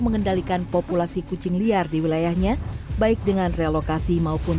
mengendalikan populasi kucing liar di wilayahnya baik dengan relokasi maupun